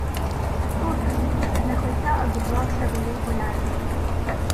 — Тут... — знехотя обізвався велій болярин.